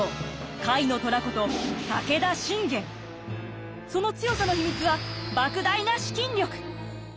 甲斐の虎ことその強さの秘密は莫大な資金力！